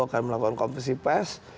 akan melakukan konversi pers